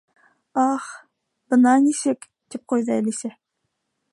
— Аһ, бына нисек! — тип ҡуйҙы Әлисә.